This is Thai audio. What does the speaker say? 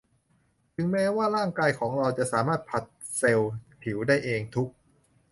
ถึงแม้ว่าร่างกายของเราจะสามารถผลัดเซลล์ผิวได้เองทุก